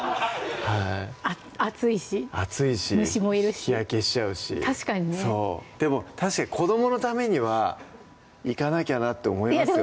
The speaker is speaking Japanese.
暑いし暑いし虫もいるし日焼けしちゃうしでも確かに子どものためには行かなきゃなって思いますよね